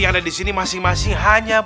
yang ada disini masing masing hanya